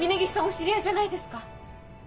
お知り合いじゃないですか？